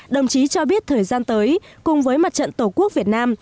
đồng chí cho biết thời gian tới cùng với mặt trận tổ quốc việt nam